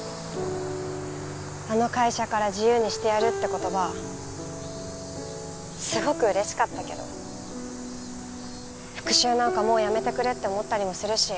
あの会社から自由にしてやるって言葉すごく嬉しかったけど復讐なんかもうやめてくれって思ったりもするし。